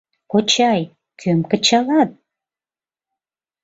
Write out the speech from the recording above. — Кочай, кӧм кычалат?